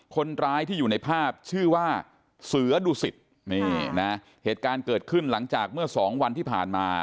คนร้ายที่อยู่ในภาพชื่อว่าเสือดุสิตนี่นะเหตุการณ์เกิดขึ้นหลังจากเมื่อสองวันที่ผ่านมา